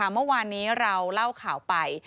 เมื่อวานนี้เราเล่าข่าวไป